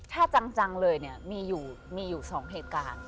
ถ้าจังเลยเนี่ยมีอยู่๒เหตุการณ์